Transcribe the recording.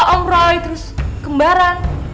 om roy terus kembaran